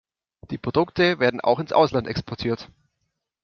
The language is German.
Die Produkte werden auch ins Ausland exportiert.